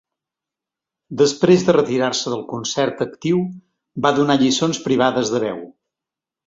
Després de retirar-se del concert actiu, va donar lliçons privades de veu.